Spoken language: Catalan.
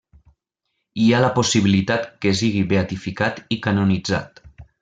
Hi ha la possibilitat que sigui beatificat i canonitzat.